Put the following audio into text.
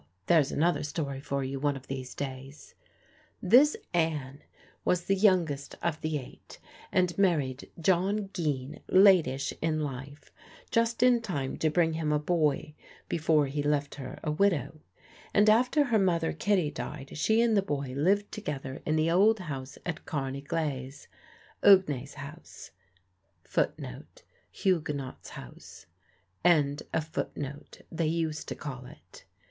Well there's another story for you one of these days.) This Ann was the youngest of the eight, and married John Geen latish in life, just in time to bring him a boy before he left her a widow; and after her mother Kitty died she and the boy lived together in the old house at Carne Glaze Ugnes House they used to call it.